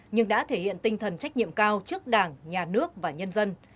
nhưng đã thể hiện tinh thần trách nhiệm cao trước đảng nhà nước và nhân dân